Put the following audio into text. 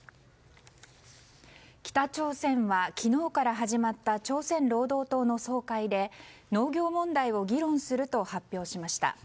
北朝鮮は昨日から始まった朝鮮労働党の総会で農業問題を議論すると発表しました。